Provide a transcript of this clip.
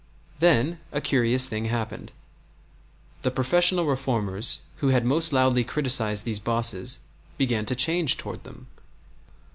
Then a curious thing happened. The professional reformers who had most loudly criticized these bosses began to change toward them.